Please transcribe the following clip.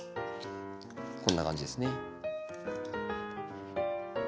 こんな感じですね。